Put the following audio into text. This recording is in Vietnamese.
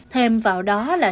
thêm vào đó là